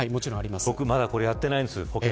僕はまだやっていないんです。